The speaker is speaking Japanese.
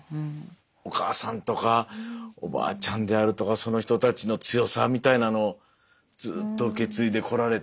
お母さんとかおばあちゃんであるとかその人たちの強さみたいなのをずっと受け継いでこられて。